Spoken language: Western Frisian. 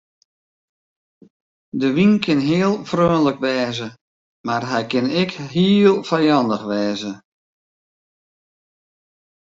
De wyn kin heel freonlik wêze mar hy kin ek heel fijannich wêze.